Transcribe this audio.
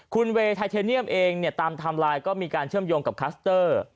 คุณเวย์ไทเทเนียมเองเนี่ยตามไทม์ไลน์ก็มีการเชื่อมโยงกับคลัสเตอร์